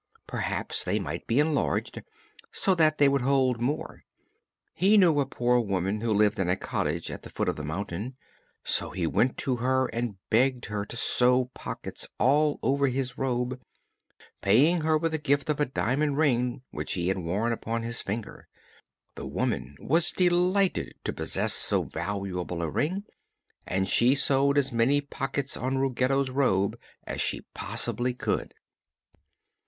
Perhaps they might be enlarged, so that they would hold more. He knew of a poor woman who lived in a cottage at the foot of the mountain, so he went to her and begged her to sew pockets all over his robe, paying her with the gift of a diamond ring which he had worn upon his finger. The woman was delighted to possess so valuable a ring and she sewed as many pockets on Ruggedo's robe as she possibly could.